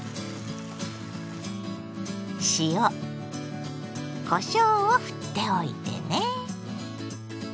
塩こしょうをふっておいてね。